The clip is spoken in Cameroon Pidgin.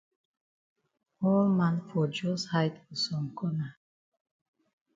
All man fon jus hide for some corner.